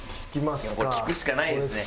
これ聞くしかないですね。